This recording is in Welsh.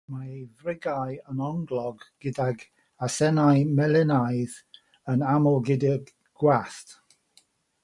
Mae ei frigau yn onglog gydag asennau melynaidd, yn aml gyda gwallt.